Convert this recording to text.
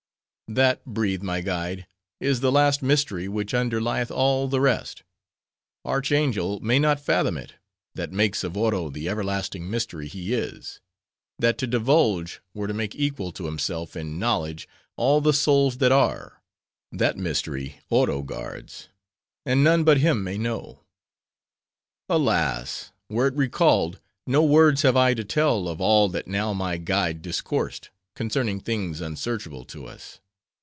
"'That,' breathed my guide; 'is the last mystery which underlieth all the rest. Archangel may not fathom it; that makes of Oro the everlasting mystery he is; that to divulge, were to make equal to himself in knowledge all the souls that are; that mystery Oro guards; and none but him may know.' "Alas! were it recalled, no words have I to tell of all that now my guide discoursed, concerning things unsearchable to us.